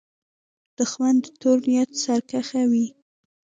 دښمن د تور نیت سرکښه وي